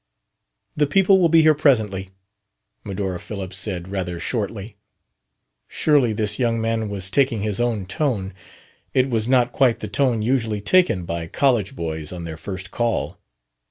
"The people will be here presently," Medora Phillips said, rather shortly. Surely this young man was taking his own tone. It was not quite the tone usually taken by college boys on their first call.